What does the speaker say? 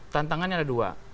tantangannya ada dua